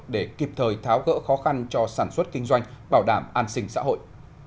để kịp thời tháo gỡ khó khăn cho sản xuất kinh doanh bảo đảm an sinh xã hội